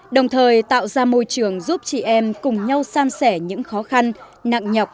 đồng thời tạo ra môi trường giúp chị em cùng nhau san sẻ những khó khăn nặng nhọc